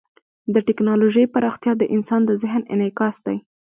د ټیکنالوژۍ پراختیا د انسان د ذهن انعکاس دی.